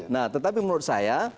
nah tetapi menurut saya